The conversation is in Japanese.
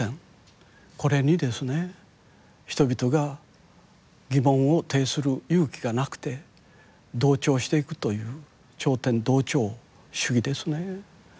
人々が疑問を呈する勇気がなくて同調していくという頂点同調主義ですね